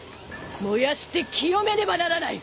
燃やして清めねばならない！